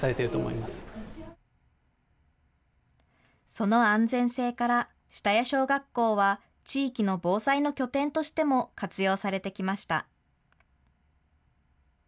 その安全性から下谷小学校は地域の防災の拠点としても活用されてきました。